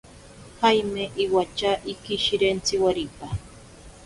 Jaime iwatya ikishirentsi waripa.